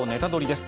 です。